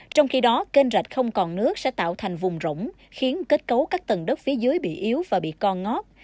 trong khi đó kênh rạch không còn nước sẽ tạo thành vùng rỗng khiến kết cấu các tầng đất phía dưới bị yếu và bị con ngót